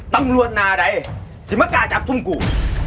ตำรวจนาใดถึงมากล้าจับทุ่มกู